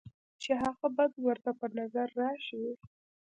چې هغه بد ورته پۀ نظر راشي،